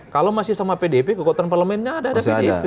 kalau masih sama pdp kekuatan parlemennya ada